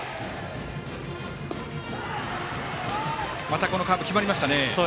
またこのカーブ決まりましたね。